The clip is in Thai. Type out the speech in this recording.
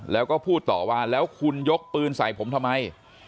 แล้วก็พูดต่อว่าแล้วคุณยกปืนใส่ผมทำไม